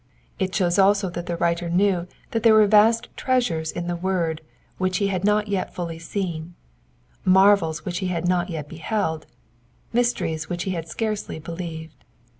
It shows also that the writer knew that there were vast treasures in the word which he had not yet fully seen, marvels which he had not yet beheld, mysteries which he had scarcely believed.